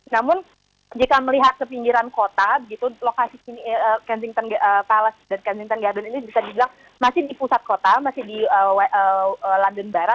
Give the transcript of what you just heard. namun jika melihat sepinggiran kota begitu lokasi kensington palace dan kensington garden ini bisa dibilang masih di pusat kota